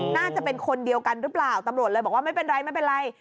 น่าจะเป็นคนเดียวกันหรือเปล่าตำรวจเลยบอกว่าไม่เป็นไรไม่เป็นไร